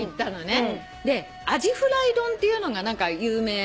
アジフライ丼っていうのが何か有名らしいのね。